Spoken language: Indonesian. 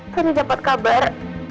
aku ada dapat kabar